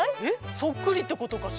そっくりってことかしら？